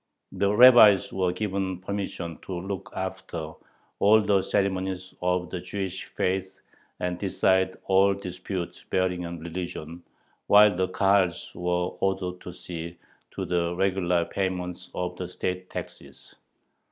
The rabbis were given permission "to look after all the ceremonies of the Jewish faith and decide all disputes bearing on religion," while the Kahals were ordered "to see to the regular payment of the state taxes."